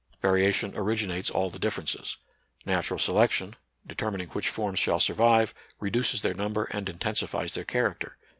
Variation originates all the differences. Natural selection, determining which forms shall survive, reduces their number and intensifies their character.